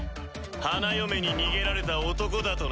花嫁に逃げられた男だとな。